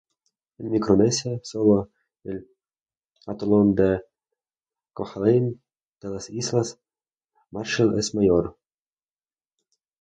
En Micronesia, sólo el atolón de Kwajalein de las islas Marshall es mayor.